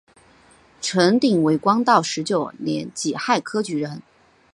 陈鼐为道光十九年己亥科举人。